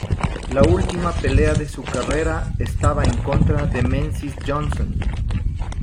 La última pelea de su carrera estaba en contra de Menzies Johnson.